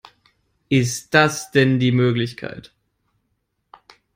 Ist das denn die Möglichkeit?